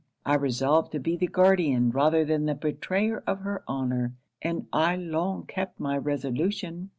I resolved to be the guardian rather than the betrayer of her honour and I long kept my resolution.'